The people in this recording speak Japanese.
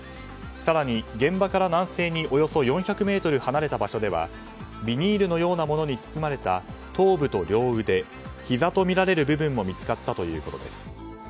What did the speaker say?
更に、現場から南西におよそ４００ｍ離れた場所ではビニールのようなものに包まれた頭部と両腕ひざとみられる部分も見つかったということです。